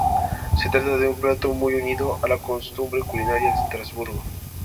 Se trata de un plato muy unido a la costumbre culinaria de Estrasburgo.